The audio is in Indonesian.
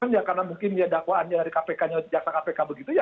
ya karena mungkin ya dakwaannya dari kpk nya jaksa kpk begitu ya